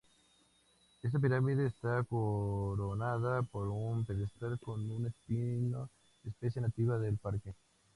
Esta pirámide está coronada por un pedestal con un espino, especie nativa del parque.